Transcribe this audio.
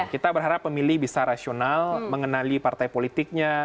kita berharap pemilih bisa rasional mengenali partai politiknya